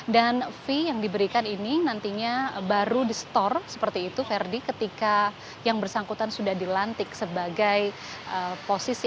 dan fee yang diberikan ini nantinya baru di store seperti itu verdi ketika yang bersangkutan sudah dilantik sebagai posisi